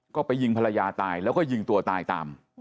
ก็ไปยิงภรรยาตายแล้วก็ยิงตัวตายตาม